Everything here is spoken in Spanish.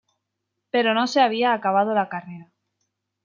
Pero no se había acabado la carrera.